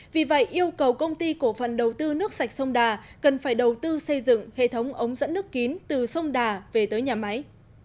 vì vậy yêu cầu công ty cổ phần đầu tư nước sạch sông đà cần phải đầu tư xây dựng hệ thống ống dẫn nước kín từ sông đà về tới nhà máy